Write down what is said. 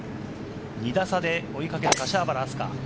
２打差で追いかける柏原明日架。